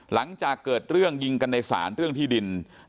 หลังจากเกิดเรื่องยิงกันในศาลเรื่องที่ดิน